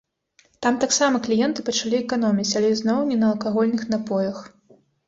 Там таксама кліенты пачалі эканоміць, але ізноў не на алкагольных напоях.